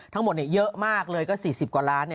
ทั้งหมดเยอะมากเลยก็๔๐กว่าล้าน